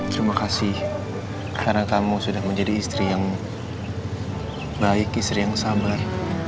terima kasih karena kamu sudah menjadi istri yang baik istri yang sabar